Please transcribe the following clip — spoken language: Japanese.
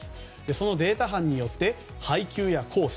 そのデータ班によって配球やコース